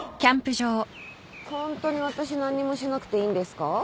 ホントに私何にもしなくていいんですか？